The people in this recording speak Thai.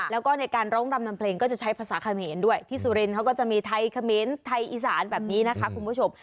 แล้วก็ในการร้องรำนำเพลงก็จะใช้ภาษาเขมรด้วยที่สุรินทร์เขาก็จะมีไทยเขมรไทยอีสานแบบนี้นะคะคุณผู้ชม